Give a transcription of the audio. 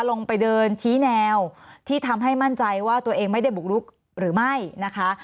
ลงไปเดินชี้แนวที่ทำให้มั่นใจว่าตัวเองไม่ได้บุกลุกหรือไม่นะคะ